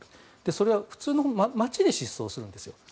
それは普通の街で失踪するんですよ。